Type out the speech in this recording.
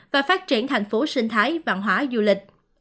và phát triển thành phố sinh thái văn hóa du lịch